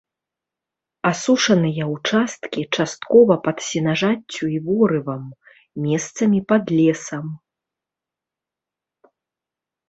Асушаныя ўчасткі часткова пад сенажаццю і ворывам, месцамі пад лесам.